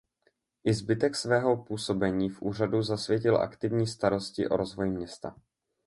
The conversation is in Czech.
I zbytek svého působení v úřadu zasvětil aktivní starosti o rozvoj města.